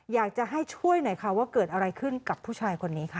อยากจะให้ช่วยหน่อยค่ะว่าเกิดอะไรขึ้นกับผู้ชายคนนี้ค่ะ